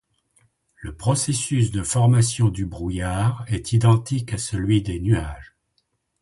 Le processus de formation du brouillard est identique à celui des nuages.